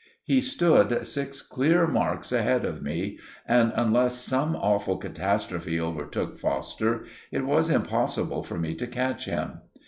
He stood six clear marks ahead of me, and unless some awful catastrophe overtook Foster, it was impossible for me to catch him.